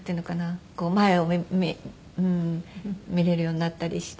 前を見れるようになったりして。